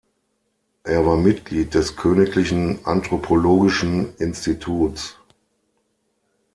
Er war Mitglied des Königlichen Anthropologischen Instituts.